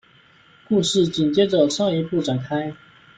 故事紧接着上一部展开。